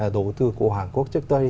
đầu tư của hàn quốc trước đây